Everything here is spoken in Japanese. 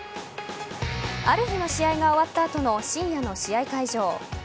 ある日の試合が終わった後の深夜の試合会場。